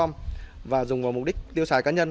em sử dụng cho việc cá nhân